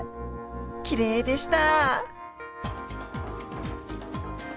きれいでした。